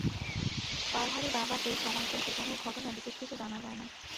পওহারী বাবার এই সময়কার জীবনের ঘটনা বিশেষ কিছু জানা যায় না।